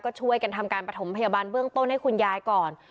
ก็ช่วยกันทำการประถมพยาบาลเบื้องต้นให้คุณยายก่อน